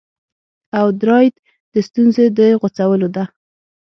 او درایت د ستونزو د غوڅولو ده